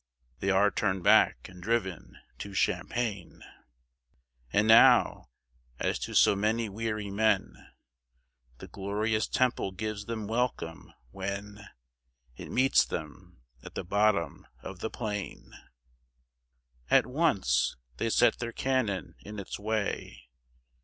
They are turned back, and driven to Champagne. And now, as to so many weary men, The glorious temple gives them welcome, when It meets them at the bottom of the plain. At once, they set their cannon in its way.